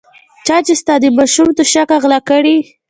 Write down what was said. چا چې ستا د ماشوم توشکه غلا کړې.